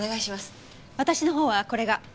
私の方はこれが。